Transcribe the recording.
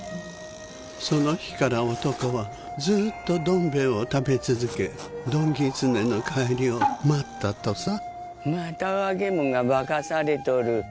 その日から男はずーっと「どん兵衛」を食べ続けどんぎつねの帰りを待ったとさまた若えもんが化かされとる。